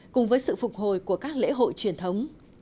cùng với sự phục hồi của các lễ hội truyền thống